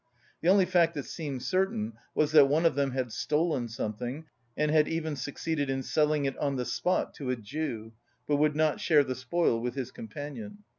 The only fact that seemed certain was that one of them had stolen something and had even succeeded in selling it on the spot to a Jew, but would not share the spoil with his companion.